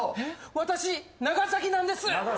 私長崎なんです。